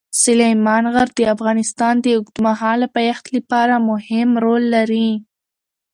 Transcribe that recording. سلیمان غر د افغانستان د اوږدمهاله پایښت لپاره مهم رول لري.